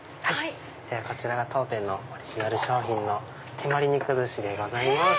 こちらが当店のオリジナル商品の手毬肉寿司でございます。